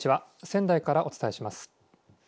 仙台からお伝えします。